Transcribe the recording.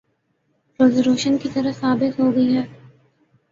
‘ روز روشن کی طرح ثابت ہو گئی ہے۔